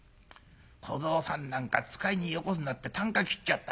『小僧さんなんか使いによこすな』ってたんか切っちゃったよ。